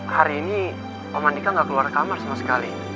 hari ini om mandika gak keluar kamar sama sekali